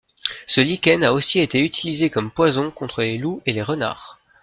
Ce lichen a aussi été utilisé comme poison contre les loups et les renards.